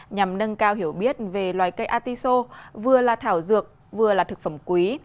nhằm nâng cao hiểu biết về loài cây artiso vừa là thảo dược vừa là thực phẩm quý